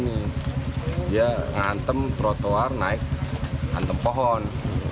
dia ngehantam rotoar naik hantam pohon